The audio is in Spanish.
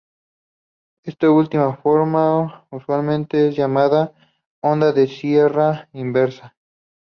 Esta última forma usualmente es llamada 'onda de sierra inversa'.